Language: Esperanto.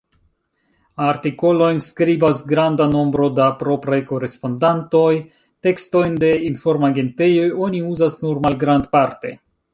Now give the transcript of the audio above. Artikolojn skribas granda nombro da propraj korespondantoj; tekstojn de informagentejoj oni uzas nur malgrandparte.